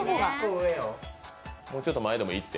もうちょっと前でもいいって。